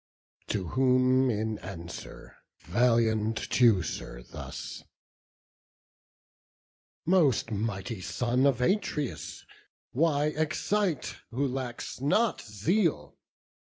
To whom in answer valiant Teucer thus: "Most mighty son of Atreus, why excite Who lacks not zeal?